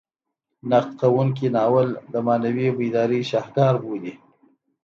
نقد کوونکي ناول د معنوي بیدارۍ شاهکار بولي.